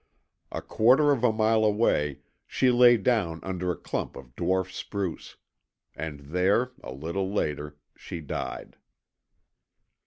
A quarter of a mile away she lay down under a clump of dwarf spruce; and there, a little later, she died.